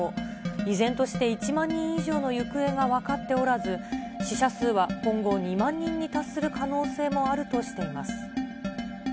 依然として１万人以上の行方が分かっておらず、死者数は今後、２万人に達する可能性もあるとしています。